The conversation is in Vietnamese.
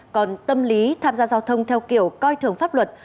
còn tâm lý tham gia giao thông theo kiểu coi thường pháp luật